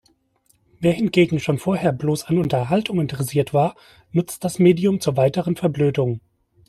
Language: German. Wer hingegen schon vorher bloß an Unterhaltung interessiert war, nutzt das Medium zur weiteren Verblödung.